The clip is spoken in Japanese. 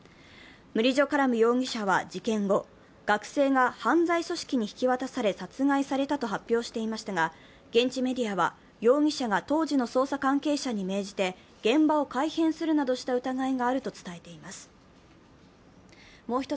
ムリジョ・カラム容疑者は事件後、学生が犯罪組織に引き渡され、殺害されたと発表していましたが、現地メディアは容疑者が当時の捜査関係者に命じて現場を改変するなどした疑いがあると伝えています。